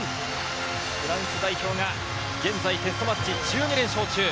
フランス代表が現在テストマッチ１２連勝中。